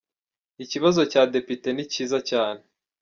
Ikibazo cya Depite ni cyiza cyane.